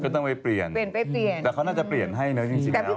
ต้องไปเปลี่ยนเปลี่ยนไปเปลี่ยนแต่เขาน่าจะเปลี่ยนให้เนอะจริงแล้ว